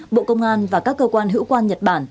bộ công an và các cơ quan hữu quan nhật bản